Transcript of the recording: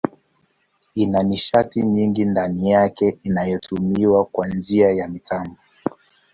Ina nishati nyingi ndani yake inayotumiwa kwa njia ya mitambo.